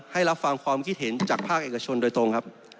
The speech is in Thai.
รับฟังความคิดเห็นจากภาคเอกชนโดยตรงครับ